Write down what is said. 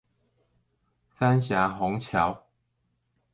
三峽虹橋